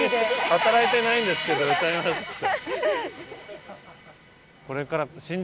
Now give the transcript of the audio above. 働いてないんですけど歌いますって。